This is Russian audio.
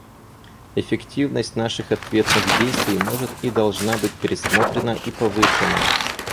Эффективность наших ответных действий может и должна быть пересмотрена и повышена.